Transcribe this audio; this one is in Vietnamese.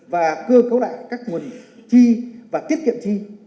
và cơ cấu lại các nguồn chi và tiết kiệm chi